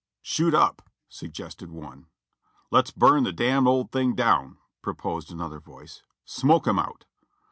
"Shoot up," suggested one. "Let's burn the d old thing down," proposed another voice. "Smoke 'em out."